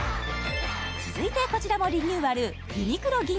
続いてこちらもリニューアルユニクロ